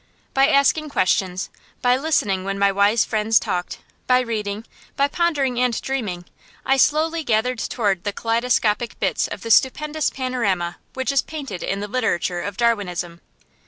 By asking questions, by listening when my wise friends talked, by reading, by pondering and dreaming, I slowly gathered together the kaleidoscopic bits of the stupendous panorama which is painted in the literature of Darwinism.